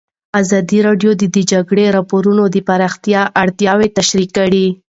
ازادي راډیو د د جګړې راپورونه د پراختیا اړتیاوې تشریح کړي.